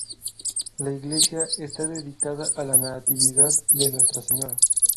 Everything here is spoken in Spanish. La iglesia está dedicada a La Natividad de Nuestra Señora.